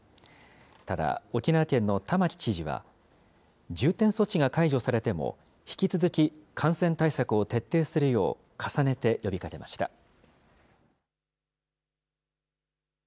ただ、沖縄県の玉城知事は、重点措置が解除されても、引き続き感染対策を徹底するよう、重ねて呼びかけました。